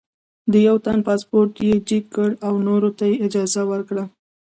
د یوه تن پاسپورټ یې چیک کړ او نورو ته یې اجازه ورکړه.